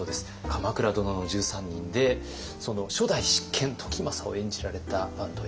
「鎌倉殿の１３人」でその初代執権時政を演じられた坂東